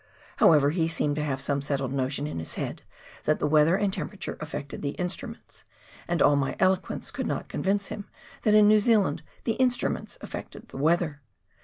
However, he seemed to have some settled notion in his head that the weather and temperature affected the instruments, and all my eloquence could not con vince him that in New Zealand the instruments affect the weather